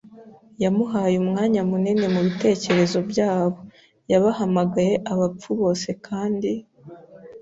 yamuhaye umwanya munini mubitekerezo byabo. Yabahamagaye abapfu bose kandi